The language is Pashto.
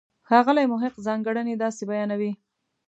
ښاغلی محق ځانګړنې داسې بیانوي.